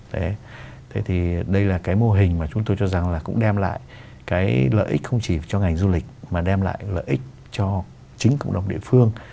thế thì đây là cái mô hình mà chúng tôi cho rằng là cũng đem lại cái lợi ích không chỉ cho ngành du lịch mà đem lại lợi ích cho chính cộng đồng địa phương